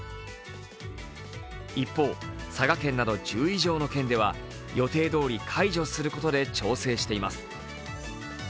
一方、佐賀県など１０以上の県では予定どおり解除することで調整しています。